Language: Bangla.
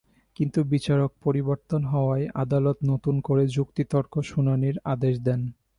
কিন্তু বিচারক পরিবর্তন হওয়ায় আদালত নতুন করে যুক্তিতর্ক শুনানির আদেশ দেন।